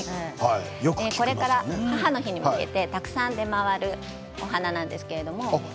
これから母の日に向けてたくさん出回るお花です。